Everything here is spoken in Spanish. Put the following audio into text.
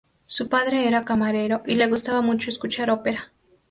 Su padre era camarero y le gustaba mucho escuchar ópera.